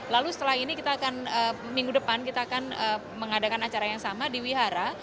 lalu setelah ini kita akan minggu depan kita akan mengadakan acara yang sama di wihara